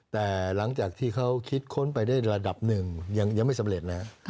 แต่หลังจากที่เขาคิดค้นไปได้ระดับหนึ่งยังไม่สำเร็จนะครับ